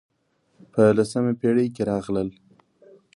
په لسمه پېړۍ کې راغلل.